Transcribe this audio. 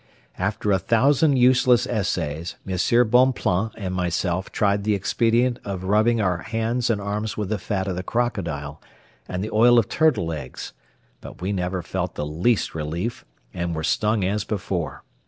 After a thousand useless essays, M. Bonpland and myself tried the expedient of rubbing our hands and arms with the fat of the crocodile, and the oil of turtle eggs, but we never felt the least relief, and were stung as before.